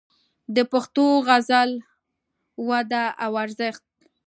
د پښتو غزل وده او ارزښت